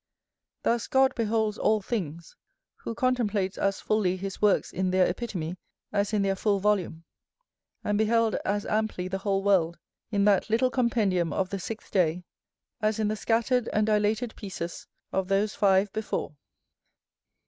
Thus God beholds all things, who contemplates as fully his works in their epitome as in their full volume, and beheld as amply the whole world, in that little compendium of the sixth day, as in the scattered and dilated pieces of those five before.